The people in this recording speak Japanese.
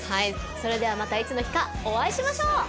それではまたいつの日かお会いしましょう。